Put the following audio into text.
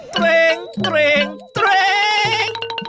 เตร็งเตร็งเตร็ง